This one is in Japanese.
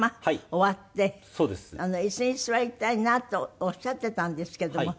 椅子に座りたいなとおっしゃってたんですけども。